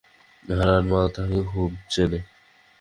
হারান মাল তাহাকে খুব চেনে।